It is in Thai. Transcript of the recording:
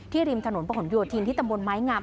ที่ริมถนนประขวนโยธินที่ตำรวจไม้งาม